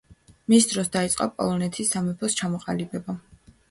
მის დროს დაიწყო პოლონეთის სამეფოს ჩამოყალიბება.